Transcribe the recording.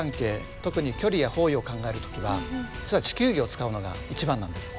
特に距離や方位を考えるときは実は地球儀を使うのが一番なんです。